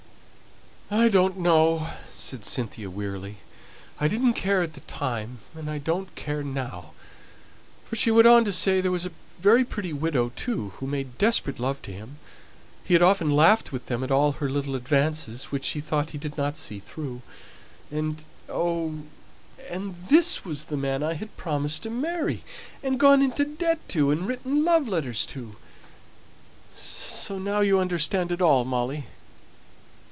"I don't know," said Cynthia, wearily. "I didn't care at the time, and I don't care now; for she went on to say there was a very pretty widow too, who made desperate love to him. He had often laughed with them at all her little advances, which she thought he didn't see through. And, oh! and this was the man I had promised to marry, and gone into debt to, and written love letters to! So now you understand it all, Molly."